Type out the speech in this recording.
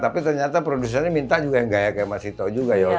tapi ternyata produsennya minta juga yang gaya kayak mas sito juga ya